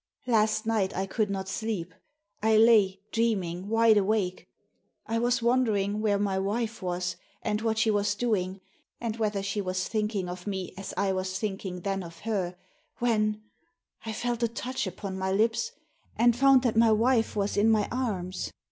^ Last night I could not sleep. I lay, dreaming, wide awake. I was wondering where my wife was, and what she was doing, and whether she was thinking of me, as I was thinking then of her, when — I felt a touch upon my lips, and found that my wife was in my arms.